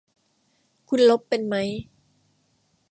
คุณลบเป็นมั้ย